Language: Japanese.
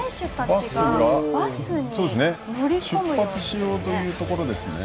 出発しようというところですね。